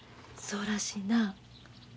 そうらしいな。